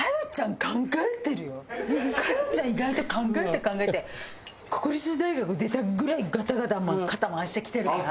意外と考えて考えて国立大学出たぐらいガタガタ肩回してきてるから。